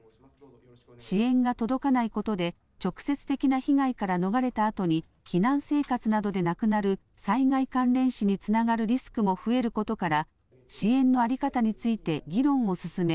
支援が届かないことで直接的な被害から逃れたあとに避難生活などで亡くなる災害関連死につながるリスクも増えることから支援の在り方について議論を進め